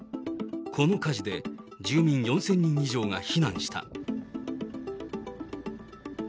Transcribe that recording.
この火事で住民４０００人以上が避難した。